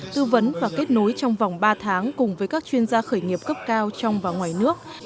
tư vấn và kết nối trong vòng ba tháng cùng với các chuyên gia khởi nghiệp cấp cao trong và ngoài nước